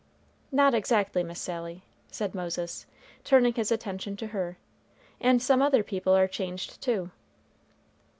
"Not exactly, Miss Sally," said Moses, turning his attention to her; "and some other people are changed too."